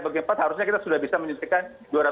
bagi empat harusnya kita sudah bisa menyuntikkan